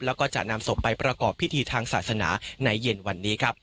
แล้วก็จะนำศพไปประกอบพิธีทางศาสนาในเย็นวันนี้ครับ